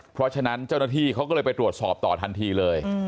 เพราะฉะนั้นเจ้าหน้าที่เขาก็เลยไปตรวจสอบต่อทันทีเลย